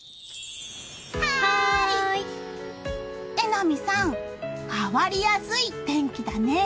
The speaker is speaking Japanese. はーい！榎並さん変わりやすい天気だね！